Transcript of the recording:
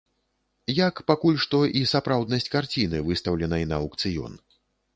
Як, пакуль што, і сапраўднасць карціны, выстаўленай на аўкцыён.